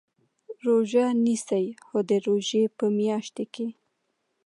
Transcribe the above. روژه نیسئ؟ هو، د روژی په میاشت کې